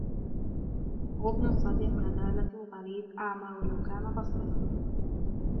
غبن الصديق نذالة الغريب أعمى ولو كان بصيراً